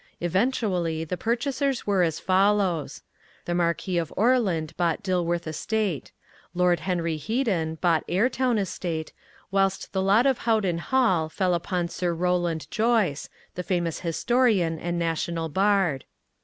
Eventually the purchasers were as follow: The Marquis of Orland bought Dilworth Estate; Lord Henry Headen purchased Ayrtown Estate, whilst the lot of Howden fell upon Sir Rowland Joyce, the famous historian and national bard.